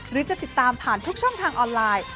หรือจะติดตามผ่านทุกช่องทางออนไลน์